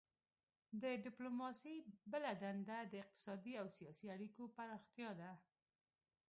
د ډیپلوماسي بله دنده د اقتصادي او سیاسي اړیکو پراختیا ده